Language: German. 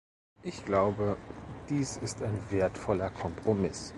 Ich glaube, dies ist ein wertvoller Kompromiss.